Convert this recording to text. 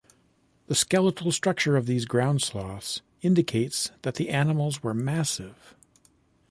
The skeletal structure of these ground sloths indicates that the animals were massive.